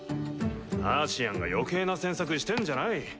アーシアンが余計な詮索してんじゃない。